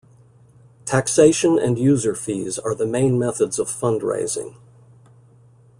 Taxation and user fees are the main methods of fund-raising.